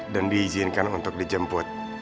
dan diizinkan untuk dijemput